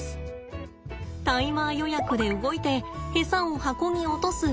タイマー予約で動いてエサを箱に落とす。